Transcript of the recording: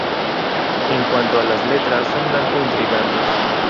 En cuanto a las letras son algo intrigantes.